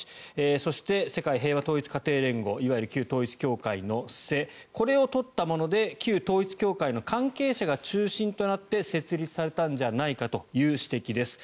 そして、世界平和統一家庭連合いわゆる旧統一教会の「世」これを取ったもので旧統一教会の関係者が中心となって設立されたんじゃないかという指摘です。